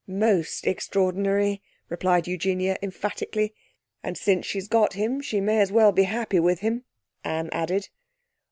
'Most extraordinary,' replied Eugenia emphatically. 'And since she's got him, she may as well be happy with him,' Anne added.